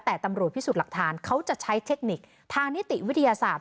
แต่ตำรวจพิสูจน์หลักฐานเขาจะใช้เทคนิคทางนิติวิทยาศาสตร์